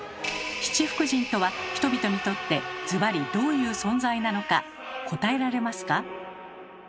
七福神とは人々にとってずばりどういう存在なのか答えられますか？